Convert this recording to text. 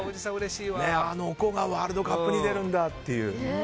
あの子がワールドカップに出るんだという。